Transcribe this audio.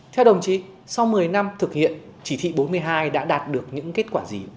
theo đồng chí sau một mươi năm thực hiện chỉ thị bốn mươi hai đã đạt được những kết quả gì